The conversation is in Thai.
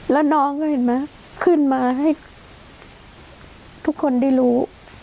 แล้วน้องก็เห็นไหมขึ้นมาให้ทุกคนได้รู้